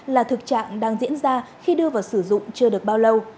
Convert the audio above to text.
là thực trạng đang diễn ra khi đưa vào sử dụng chưa được bao lâu